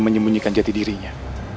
menyembunyikan jati dirinya